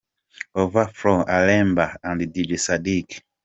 Overflow – Alemba & Dj Sadic ft.